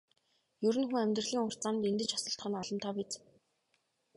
Ер нь хүн амьдралын урт замд эндэж осолдох нь олонтоо биз.